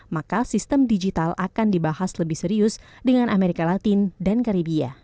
maka sistem digital akan dibahas lebih serius dengan amerika latin dan karibia